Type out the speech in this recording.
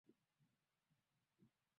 ukiwa na eneo la kilometa za mraba